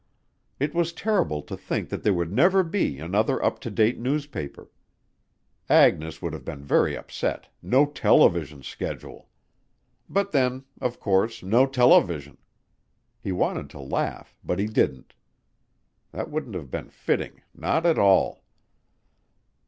It was terrible to think there would never be another up to date newspaper. Agnes would have been very upset, no television schedule. But then, of course, no television. He wanted to laugh but he didn't. That wouldn't have been fitting, not at all.